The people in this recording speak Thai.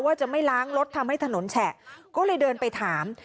จะไม่ล้างรถทำให้ถนนแฉะก็เลยเดินไปถาม